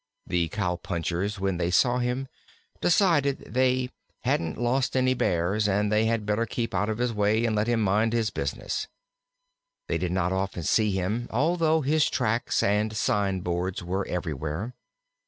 The Cow punchers, when they saw him, decided they "hadn't lost any Bears and they had better keep out of his way and let him mind his business." They did not often see him, although his tracks and sign boards were everywhere.